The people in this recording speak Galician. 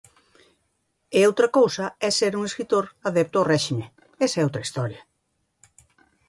E outra cousa é ser un escritor adepto ao réxime, esa é outra historia.